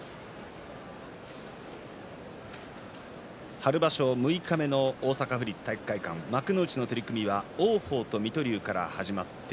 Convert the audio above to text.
春場所六日目の大阪府立体育会館幕内の取組は王鵬と水戸龍から始まります。